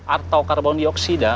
atau karbon dioksida